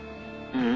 うん。